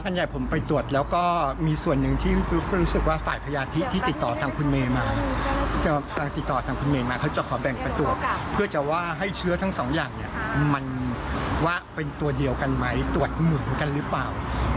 ในหลายพื้นที่ครับ